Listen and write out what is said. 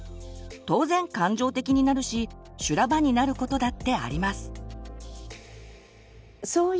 当然感情的になるし修羅場になることだってあります。